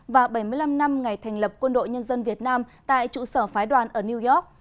và bảy mươi năm năm ngày thành lập quân đội nhân dân việt nam tại trụ sở phái đoàn ở new york